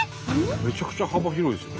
めちゃくちゃ幅広いですよ。